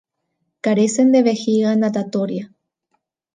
Carecen de vejiga natatoria.